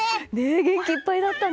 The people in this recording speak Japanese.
元気いっぱいだったね。